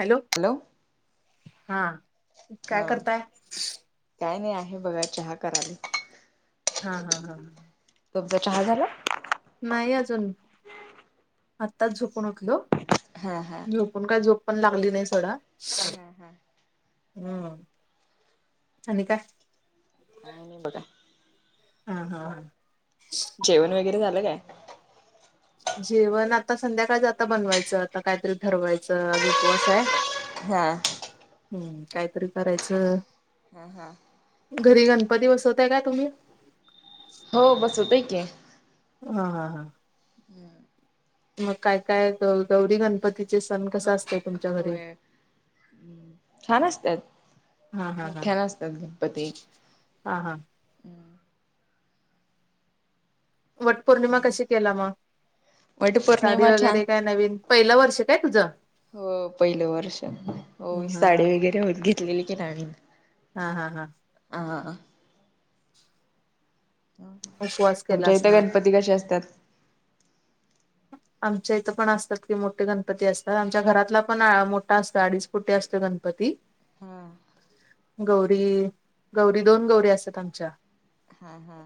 Hello हा. काय हा करताय? काय नाही आहे बघा चहा करायले. हा हा हा. तुमचा चहा झाला? नाही अजून आत्ताच झोपून उठलो. हां हां. पण काय झोप पण लागली नाही सोडा. हा हा. हम. आणि काय? काय नाही बघा. हा हा. जेवण वगैरे झालं काय? जेवण आता संध्याकाळच आता बनवायचं आता कायतरी ठरवायचं आज उपवास आहे. हा. हम्म कायतरी करायचं. हा हा. घरी गणपती बसवताय काय तुम्ही? हो बसवतोय की. ह हा हा. हम्. मग काय काय गौरी गणपतीचे सण कस असतय तुमच्या घरी? होय छान हा असत्यात मोठ्या असतात गणपती. ह हां. वटपौर्णिमा कशी केला मग? वट साडी पौर्णिमा छान वगैरे काय नवीन पहिलं वर्ष काय तुझं? हो पहिलं वर्ष हो हम्म, हा साडी हा वगैरे होत घेतलेली की नाणीन. हा हा हा [unintelligible] उपवास केला तुमच्या इथ असणार. गणपती कसे असतात. आमच्या इथं पण असतात कि मोठे गणपती असतात आमच्या घरातला पण मोठा असतो अडीच [unintelligible] असत गणपती. हा गौरी गौरी दोन गौरी असतात आमच्यात. हा हा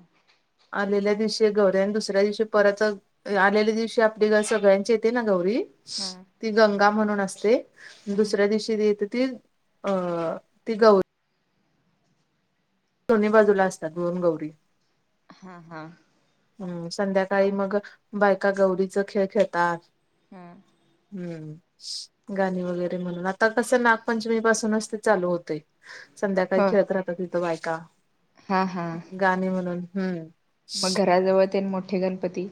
आलेल्या दिवशी गौऱ्या आणि दुसऱ्या दिवशी परत आलेल्या दिवशी [unintelligible] सगळ्यांचे येते ना गौरी? हां ती गंगा म्हणून असते दुसऱ्या दिवशी ती येते ती अ ती गौरी. दोन्ही बाजूला असतात दोन गौरी. हा हा हम् संध्याकाळी मग बायका गौरीचा खेळ खेळतात. हा हम्म. गाणी वगैरे म्हणून आता कसं नागपंचमी पासूनच ते चालू होते. संध्याकाळी हो खेळत राहतात तिथं बायका हा हा गाणी म्हणून हम्म. मग घराजवळ तेन मोठे गणपती.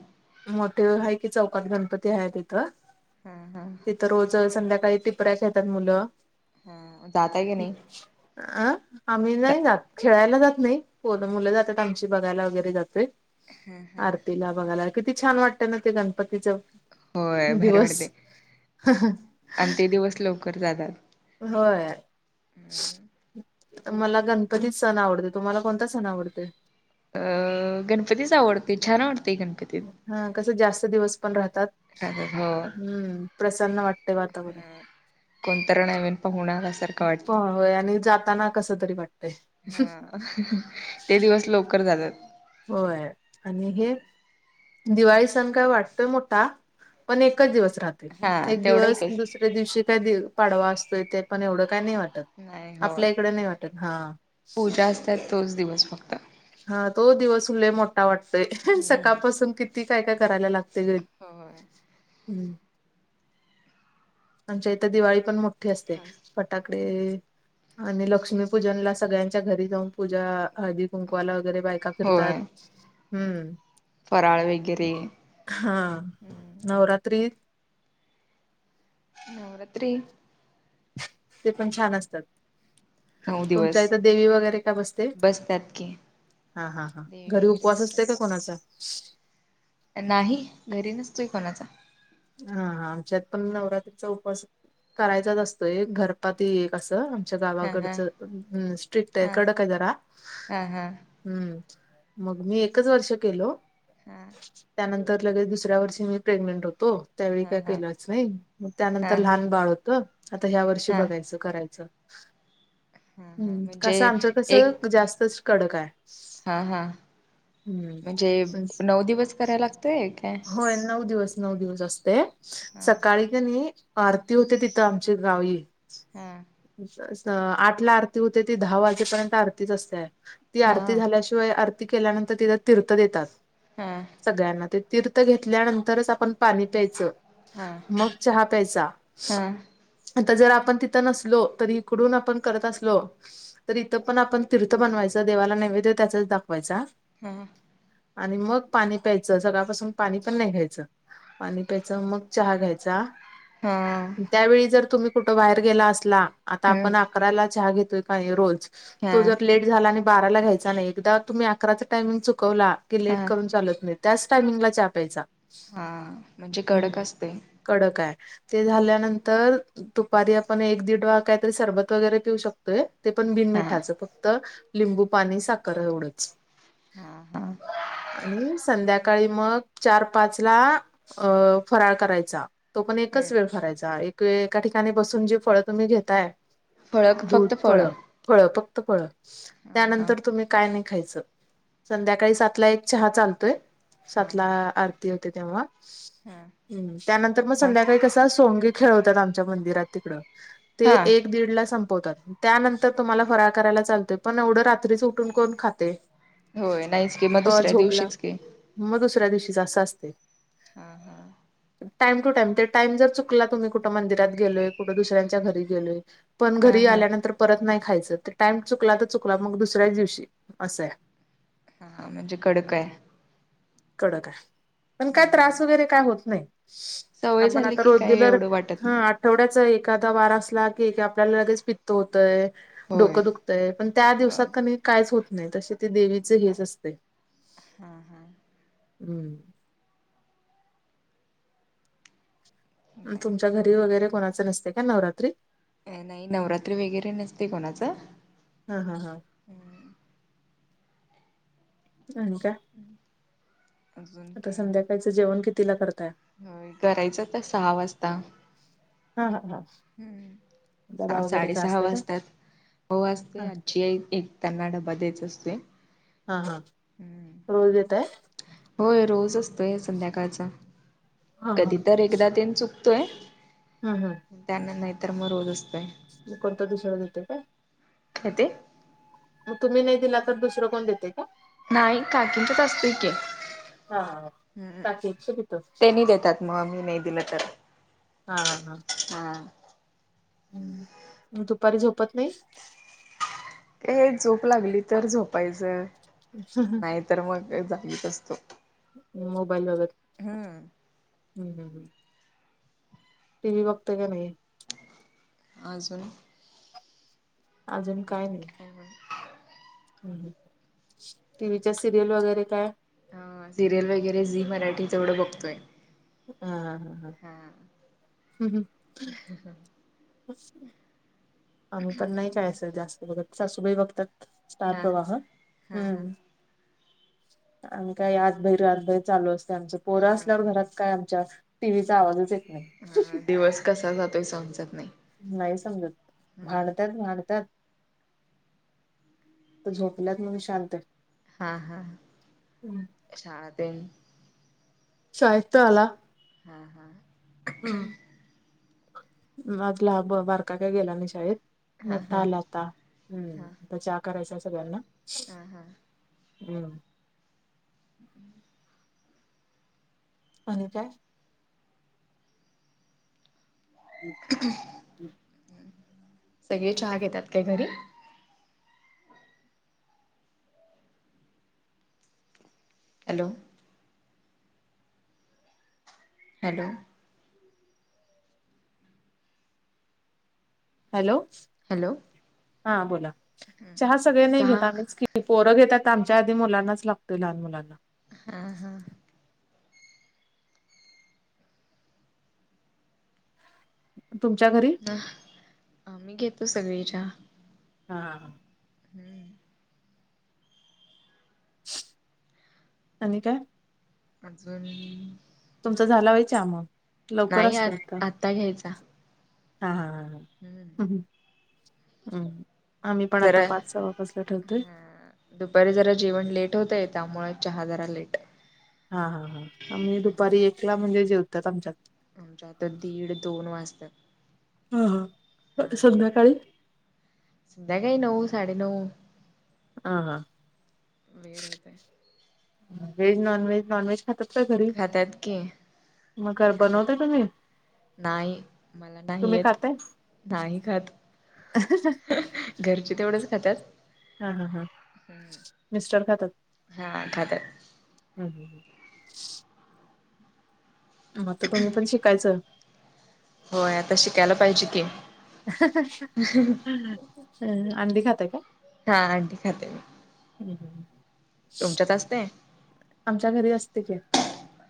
मोठे हाय की चौकात गणपती आहे तिथं हा हा तिथं रोज संध्याकाळी टीपऱ्या खेळतात मुलं. हा जाताय की नाही. अ, आम्ही नाही जात खेळायला जात नाही कोण मुलं जातात आमची बघायला वगैरे जातोय. आरतीला बघायला किती छान वाटतं ना ते गणपतीच. होय भर दिवस वाटतय आणि ते दिवस लवकर जातात. होय मला गणपतीत सण आवडतोय, तुम्हाला कोणता सण आवडतोय? अ गणपतीच आवडतो छान वाटतोय गणपती. हा कस जास्त दिवस पण राहतात हो हम्म प्रसन्न वाटतें वातावरण. कोण तर नवीन पाहुना आल्यासारख वाट होय आणि जाताना कस तरी हा वाटतय ते दिवस लवकर जातात. होय आणि हे दिवाळी सण काय वाटतोय मोठा पण एकच दिवस राहतो हा एक तेवढं दिवस एकच दुस [unintelligible] दिवशी काय पाडवा असतोय ते पण एवढं काय नाही वाटत. नाही होय, आपल्या इकडे नाही वाटत हा पूजा असत्या तोच दिवस फक्त. हा तो दिवस उल मोठा वाटतोय हम्म सकाळपासून किती काय काय करायला लागत. होय [unintelligible] आमच्या इथ दिवाळी पण मोठी मोठी असते फटाकडे. आणि लक्ष्मीपूजन ला सगळ्यांच्या घरी जाऊन पूजा हळदी कुंकवाला वगैरे बायका फिरतात. होय, हम्म फराळ वगैरे. हा हम्म नवरात्रीत नवरात्री ते पण छान असतं, नऊ तुमच्या दिवस इथं देवी वगरे का बसते? बसतात की हा हा हा देवी घरी वगैरे उपवास बसतात असतंय का कोणाचा? नाही, घरी नसतोय कोणाचा. हाहा आमच्यात पण नवरात्रीचा उपवास करायचाच असतोय घरपाती एक असं. आच्या हा हा गावाकडचं स्ट्रीकटय हा कडकय जरा. हा हा हम्म, मग मी एकच वर्ष केलो. हं. त्यानंतर लगेच दुसऱ्या वर्षी मी प्रेगनंन्ट होतो त्यावेळी हा काय हा हा केलंच नाही, त्यानंतर हा लहान बाळ होतं, आता ह्या वर्षी हा बघायचं, करायचं. हा हा हं, म्हणजे कसं आमचं कसं जास्तच कडक हाय. हां हां म्हणजे, हम्म नऊ दिवस कराय लागतय? काय होय नऊ दिवस, नऊ दिवस असते. हा सकाळी त्यान्नी आरती होते तिथं आमची गावी. हम स स आठ ला आरती होते ती दहा वाजेपर्यंत आरतीच असते ती हा आरती झाल्याशि व्हय आरती केल्यानंतर तिथं तीर्थ देतात. हं सगळ्यांना, ते तीर्थ घेतल्यानंतरच आपण पाणी प्यायचं. हा मग चहा प्यायचा. हा आता जर आपण तिथं नसलो, तर इकडून आपण करत असलो तर इथं पण आपण तीर्थ बनवायचा, देवाला नैवेद्य त्याचाच दाखवायचा हं. आणि मग पाणी प्यायचं, सकाळपासून पाणी पण नाही घ्यायचं. पाणी प्यायचं अन मग चहा घ्यायचा हा त्यावेळी जर तुम्ही कुठं बाहेर गेला असला, आता हम्म आपण अकराला चहा घेतोय का हे रोज हा तो जर लेट झाला आणि बाराला घ्यायचा नाही, एकदा तुम्ही अकराचा टायमिंग चुकवला की, हा लेट करून चालत नाही, त्याच टायमिंगला चहा प्यायचा. हाआ, म्हणजे कडक असतंय. कडकाय ते झाल्यानंतर, दुपारी आपण एक दीड वा काहीतरी सरबत वगेरे पिऊ शक होय? ते पण बिन हा मिठाचं, फक्त लिंबू पाणी साखर एवढंच. हं हं ब आणि संध्याकाळी मग चार पाच ला अं फराळ करायचा. तो पण एकच हम्म वेळ करायचा, एकवेळ एका ठिकाणी बसून जे फळं तुम्ही घेताय फळ दूध फक्त फळ फळं, हा फळं फक्त फळं हा त्यानंतर तुम्ही काय नायी खायचं, संध्याकाळी सातला एक चहा चालतोय हा सातलाआ आरती होते तेव्हा, हा स्सहू, हं, त्यानंतर मग संध्याकाळी कसं त सोंगे खेळवतात आमच्या मंदिरात तिकडं, ते हा एक दीड ला संप त त्यानंतर तुम्हाला फराळ करायला चालते, पण एवढं रात्रीचं उठून कोण खाते? होय, नाहीच की मग दुसऱ्या दिवशीच की. म दुसऱ्या दिवशीचं असं असतंय. हा हा. टाईम टू टाईम, ते टाईम जर चुकला, तुम्ही कुठं मंदिरात गेलोय, कुठं दुसऱ्यांच्या घरी गेलोय पण हा घरी हा आल्यानंतर परत नाही खायचं, ते टाइम चुकला त चुकला मग दुसऱ्याच दिवशी. असं आहे. हा, म्हणजे कडकय. कडकाय. पण काय हम्म त्रास वगैरे, काय होत नाही. [inaudible] सवय आपण झाली आता की काही रोग्युलर. एवढं वाटत नाही हा तेवड्याच एखादा वार असला की की, आपल्याला लगेच पित्त होतंय. होय डोकं दुख तय. पण त्या हो दिवसात कनिय, काहीच होत नाही. तसे ते देवीचे हेच असतय. हां, हां. अं. अ तुमच्या नाही घरी वगैरे, कोणाचे नसते का? नवरात्री. नाही. नवरात्री वगैरे, नसते कोणाच. हा, हा, हा. आणि काय? अजून आता काय संध्याकाळचं जेवण, कितीला करताय? होय. करायचं आता, सहा वाजता. हा, ह, ह. हम्म. सा - साडे सहा का? वाजतात. भाऊ हा असतोय. आज्जीय एक. त्यांना, डबा द्यायचा असतोय. हा, हा. रोज देताय? होय. रोज असतोय, संध्याकाळचा. हा हा कधी तर एकदा तेन चुकतोय. हं, हं. त्याना. नाहीतर, मग रोज असतय. मग, कोणतर दूसर देतय काय? खाते? मग तुम्ही नाही दिला तर, दुसरं कोण देतेय का? नाही, काकीच्यात असतय की. हा ह्. पॅकेटच देतो. तेनी देतात. मग आमी नाही दिला तर. हा, हां. हा. हम. दुपारी झोपत नाहीस? हे झोप लागली तर झोपायचं. नाही तर मग, जागीच असतो. मोबाईल बघत. हम्म हम्म, हम्, हम्. टी व्ही बघतोय का नाही? आजून? आजून काय नाही. ह हं. टी व्हीच्या सिरियल वगैरे काय? अ सिरियल वगैरे. झी मराठी तेवढं बघतोय. हा, हा, हा. हम्म [unintelligible] [unintelligible] आम्ही पण नाही काय असं, जास्त बघत. सासूबाई बघतात. स्टार हा प्रवाह? हा हा हम्म. आमी काय? आत भैर आत भैर चालू असतय, आमचं. पोर असल्यावर, घरात काय आम च्या टिव्हीचा आवाजच येत नाही. ह. दिवस कसा जातोय? समजत नाही. नाही समजत. भांडत्यात, भांडत्यात. त झोपल्यात म्हणून शांत. हा, हा. शाळा तेन. शाळेत तर आला. हा हा. मजला बारका का गेला नाही शाळेत हा मोठा हा आला आता हम्म त्याच्या करायचा सगळ्यांना हं हं हम्म हम्म. आणि काय? सगळे चहा घेतात काय घरी? हॅलो हॅलो हॅलो, हॅलो हा बोला, चहा सगळे नाही चहा घेत आम्हीच कि, त पोरं घेतात तर आमच्या आधी मुलांनाच लागतोय लहान मुलांना हा हा तुमच्या घरी? अं घेतो सगळी चहा. हा हम्म आणि काय? अजून तुमचा झाला वय चहा मग, लवकर नाही आ असत वाटतं. आत्ता घ्यायचा हा हा हा हम्म हा हं हम्म आम्ही पण आता जरा पाच सवा पाचला ठेवतोय. हा दुपारी जरा जेवण लेट होतंय, त्यामुळे चहा जरा लेट हा हा हा आम्ही दुपारी एकला म्हणजे जेवतात आमच्यात आमच्या आता दीड दोन वाजतात. हा हा संध्याकाळी? संध्याकाळी नऊ -साडे नऊ. ह ह वेळ होतय veg -non veg, non veg खातात काय घरी खात्यात की मग, काय खात्यात बनवताय तुम्ही? नाही मला नाही तुम्ही येत, खाताय? नाही खात. घरची तेवढच खातात, हा हा हा. मिस्टर हा खात्यात. हम हम मग आता तुम्ही पण शिकायचं. होय आता शिकायला पाहिजे की. ह आंडी खाताय काय? हा अंडी खाते मी तुमच्यात असते आमच्या घरी असते की,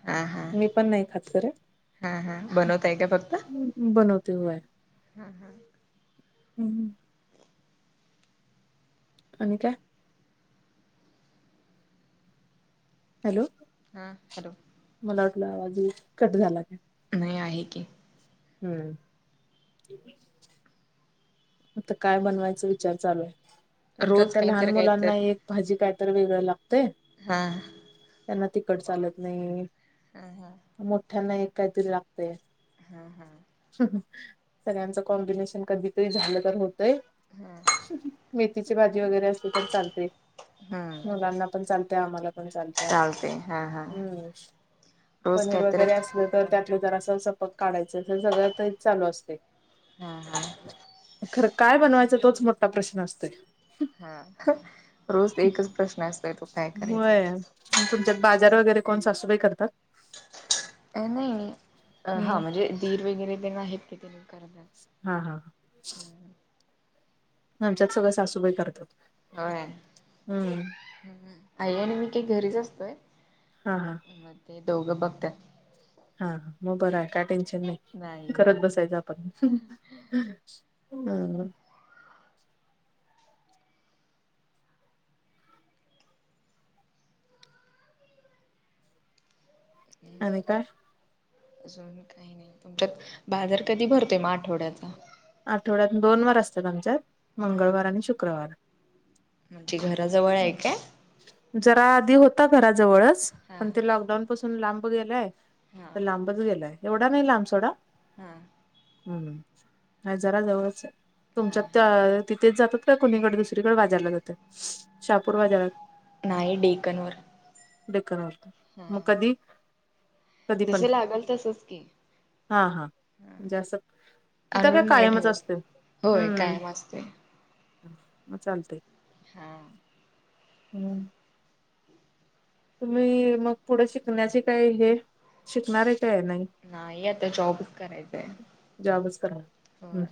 हा हा मी पण नाही खात खर, हा हा बनवताय का बनवते व्हय. हम्म हम्म हं आणि काय? हॅलो हा हॅलो मला वाटला आवाज [inaudible] कट झाला काय? नाही आहे की. हूं! आता काय बनवायच विचार चालू आहे, नंतर रोज त्या काय तर लहान काय मुलांना तर एक भाजी काय तर वेगळं लागतय. हा! त्यांना तिकट चालत नाही. ह हा! मोठ्यांना एक काय तरी लागतय. हा हा! सगळ्यांच कॉम्बिनेशन कधीतरी झालं तर हो तय मेथीची भाजी वगैरे असेल तर चालतय. हम्म मुलांना पण चालतय आम्हाला पण चालतय चालते हा हा हूं! रोज काहीतरी. तर त्यातलं जरा असं सपक काढायचं त सगळं तेच चालू असतय. हा! खरं काय बनवायचा तोच मोठा प्रश्न असतोय. हा रोज ते एकच प्रश्न असतोय तो काय करायचा होय. रोज. तुमच्यात बाजार वगैरे कोण सासूबाई करतात? अ नही नी अ हां म्हणजे दीर वगैरे तेन आहेत कि ते मं करता. हा हा! आमच्यात सगळं सासूबाई करतात. होय हम्म आई आणि मी काही घरीच असतोय. हा हा! म ते दोघ बघत्यात. हा म बरं आहे काय टेन्शन नाही, करत बसायचं आपण. [unintelligible] आणि काय? अजून काही नाही तुमच्यात बाजार कधी भरतोय म आठवड्याचा. आठवड्यातुन दोन वार असतात आमच्यात, हा मंगळवार आणि शुक्रवार. म्हणजे घराजवळ आहे काय? जरा आधी होता घराजवळच हा पण ते लॉकडाऊन पासून लांब गेलांय. हा त लांबच गेलाय एवढा नाही लांब सोडा. हा! हूं ह जरा जवळच तुमच्यात हा हा त्यां ती तेच जातात का कोणीकडे दुसरीकडे बाजारला जाता. नाही डेकनवर. डेकणवर कां हा म कधी? कधी पण जसं लागल तसच की हा हा म्हणजे अस. तिथं कां आणून नाही कायमच ठेवत असतय होय हूं कायम असते म चालतय. हा! [inaudible] तुम्ही म पुढ शिकण्याचे काय हे शिकणार आहे काय नाही. नाही आता जॉबच करायचाय जॉबचं करा हूं हूं! होय